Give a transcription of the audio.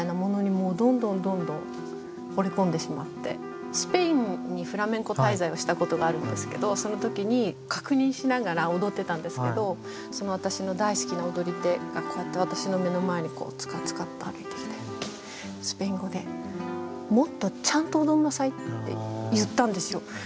何か私ってこう何て言うんだろうでももうそういうのとは全く違うスペインにフラメンコ滞在をしたことがあるんですけどその時に確認しながら踊ってたんですけどその私の大好きな踊り手がこうやって私の目の前にツカツカッと歩いてきてスペイン語で「もっとちゃんと踊りなさい」って言ったんですよ。